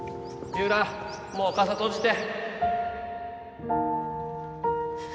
ゆらもう傘閉じて